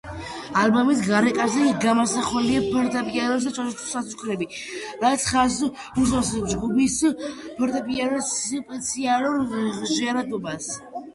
ალბომის გარეკანზე გამოსახულია ფორტეპიანოს ჩაქუჩები, რაც ხაზს უსვამს ჯგუფის ფორტეპიანოს სპეციფიურ ჟღერადობას.